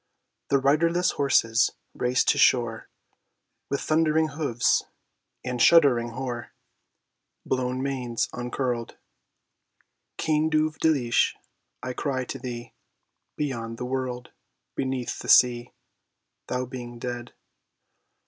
The riderless horses race to shore With thundering hoofs and shuddering, hoar, Blown manes uncurled. Cean duv deelish, I cry to thee Beyond the world, beneath the sea, Thou being dead.